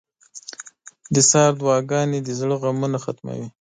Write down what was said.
• د سهار دعاګانې د زړه غمونه ختموي.